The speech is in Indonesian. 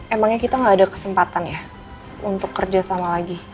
emangnya kita gak ada kesempatan ya untuk kerjasama lagi